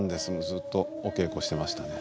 ずっとお稽古してましたね。